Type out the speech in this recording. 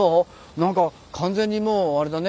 何か完全にもうあれだね。